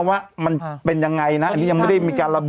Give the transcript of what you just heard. ว่ามันเป็นยังไงนะอันนี้ยังไม่ได้มีการระบุ